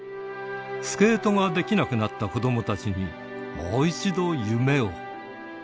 スケートができなくなった子どもたちに、もう一度夢を。